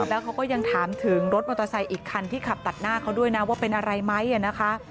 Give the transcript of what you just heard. แล้วเขาก็ยังถามถึงรถมอเตอร์ไซค์อีกคันที่ขับตัดหน้าเขาด้วยนะว่าเป็นอะไรไหมนะคะ